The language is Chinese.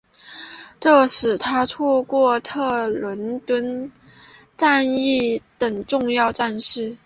这使他错过了特伦顿战役等重要战事。